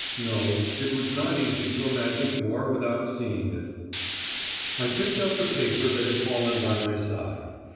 No, it was not easy to imagine war without seeing it. I picked up the paper that had fallen at my side.